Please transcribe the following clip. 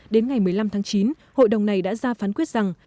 đến ngày một mươi năm tháng chín hội đồng này đã ra phán quyết rằng